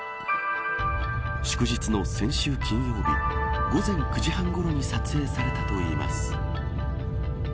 祝日の先週金曜日午前９時半ごろに撮影されたといいます。